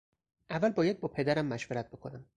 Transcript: اول باید با پدرم مشورت بکنم.